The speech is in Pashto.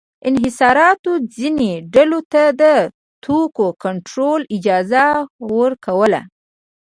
انحصاراتو ځینو ډلو ته د توکو کنټرول اجازه ورکوله.